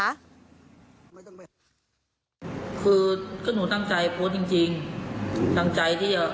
นะคะคือก็หนูตั้งใจโพสต์จริงจริงตั้งใจที่อ่า